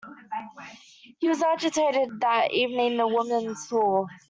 He was agitated that evening, the woman saw.